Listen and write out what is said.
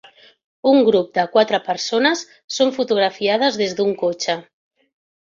Un grup de quatre persones són fotografiades des d'un cotxe.